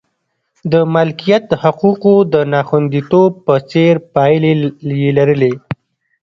د مالکیت حقوقو د ناخوندیتوب په څېر پایلې یې لرلې.